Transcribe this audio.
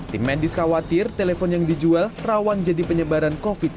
tim medis khawatir telepon yang dijual rawan jadi penyebaran covid sembilan belas